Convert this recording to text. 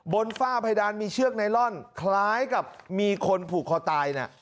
ฝ้าเพดานมีเชือกไนลอนคล้ายกับมีคนผูกคอตายเนี่ย